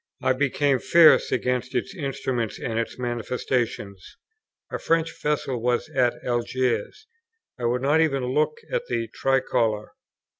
I became fierce against its instruments and its manifestations. A French vessel was at Algiers; I would not even look at the tricolour.